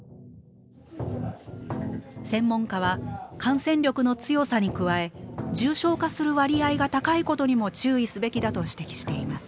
専門家は感染力の強さに加え重症化する割合が高いことにも注意すべきだと指摘しています。